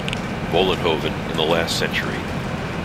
Vollenhoven in the last century.